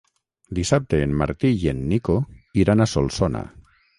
Dissabte en Martí i en Nico iran a Solsona.